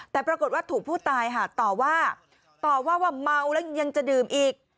แต่ปรากฏว่าถูกผู้ตายค่ะต่อว่าต่อว่าว่าเมาแล้วยังจะดื่มอีก